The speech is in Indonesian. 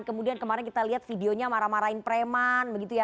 kemudian kemarin kita lihat videonya marah marahin preman